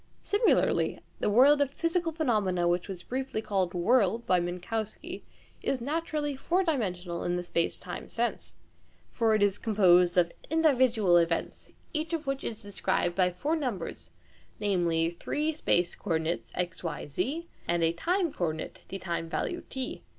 Similarly, the world of physical phenomena which was briefly called " world " by Minkowski is naturally four dimensional in the space time sense. For it is composed of individual events, each of which is described by four numbers, namely, three space co ordinates x, y, z, and a time co ordinate, the time value t.